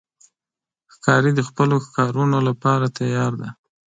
ښکاري د خپلو ښکارونو لپاره تیار دی.